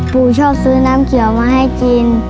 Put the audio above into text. ครูชอบซื้อน้ำเขียวมาให้กิน